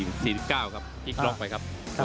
คลิกล็อกไปครับครับผมค่ะ